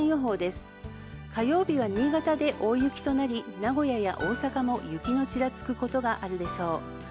火曜日は新潟で大雪となり、名古屋や大阪も雪のちらつくことがあるでしょう。